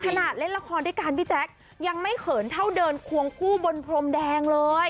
ขนาดเล่นละครด้วยกันพี่แจ๊คยังไม่เขินเท่าเดินควงคู่บนพรมแดงเลย